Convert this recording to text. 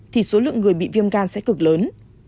thì số lượng người bị viêm gan sẽ cực lớn